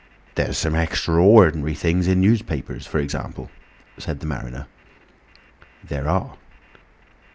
"There's some extra ordinary things in newspapers, for example," said the mariner. "There are."